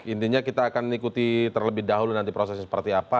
intinya kita akan ikuti terlebih dahulu nanti prosesnya seperti apa